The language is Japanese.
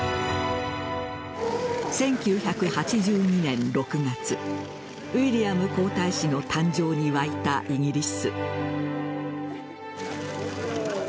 １９８２年６月ウィリアム皇太子の誕生に沸いたイギリス。